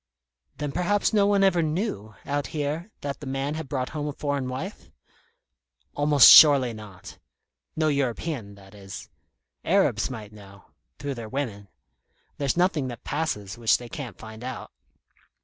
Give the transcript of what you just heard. "Then perhaps no one ever knew, out here, that the man had brought home a foreign wife?" "Almost surely not. No European, that is. Arabs might know through their women. There's nothing that passes which they can't find out.